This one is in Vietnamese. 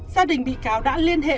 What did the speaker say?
gia đình bị cáo đã liên hệ